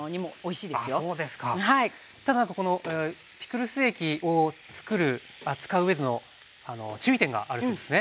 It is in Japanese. ただこのピクルス液をつくる扱ううえでの注意点があるそうですね。